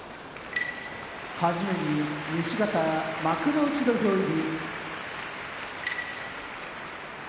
はじめに西方幕内土俵入り。